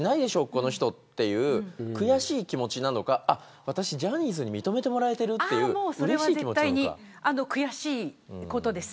この人という悔しい気持ちなのか私、ジャニーズに認めてもらえているそれは絶対に悔しいことです。